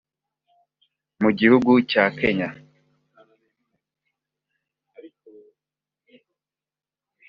Mu gihugu cya Kenya